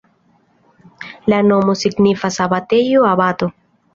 La nomo signifas: abatejo-abato.